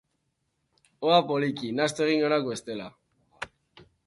Hoa poliki, nahastu egingo nauk bestela.